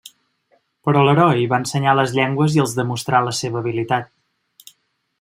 Però l'heroi va ensenyar les llengües i els demostrà la seva habilitat.